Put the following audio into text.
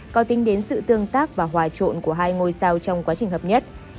có tính đến sự tương tác và hòa trộn của hai ngôi sao trong quá trình hợp nhất